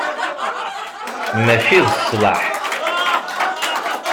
Mačči d sslaḥ.